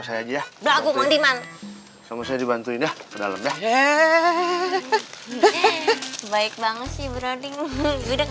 saya aja beragam di mana sama saya dibantuin dah ke dalam ya hehehe baik banget sih bro dima udah